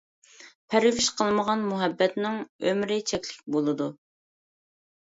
پەرۋىش قىلمىغان مۇھەببەتنىڭ ئۆمرى چەكلىك بولىدۇ.